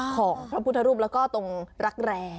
ของพระพุทธรูปแล้วก็ตรงรักแร้